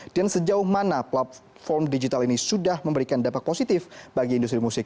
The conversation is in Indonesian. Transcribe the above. dan sejauh mana platform digital ini sudah memberikan dampak positif bagi industri musik